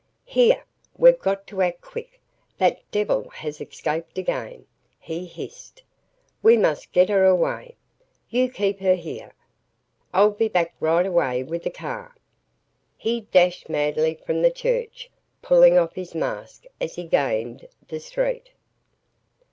"Here we've got to act quickly that devil has escaped again," he hissed. "We must get her away. You keep her here. I'll be back right away with a car." He dashed madly from the church, pulling off his mask as he gained the street.